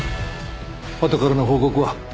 ハトからの報告は？